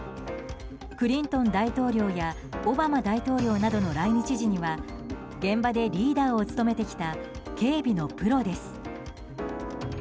クリントン大統領やオバマ大統領などの来日時には現場でリーダーを務めてきた警備のプロです。